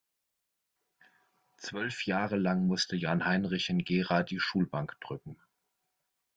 Zwölf Jahre lang musste Jan-Heinrich in Gera die Schulbank drücken.